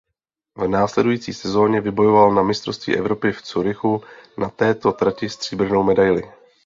V následující sezóně vybojoval na mistrovství Evropy v Curychu na této trati stříbrnou medaili.